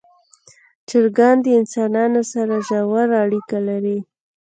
چرګان د انسانانو سره ژوره اړیکه لري.